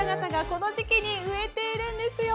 この時期に植えているんですよ。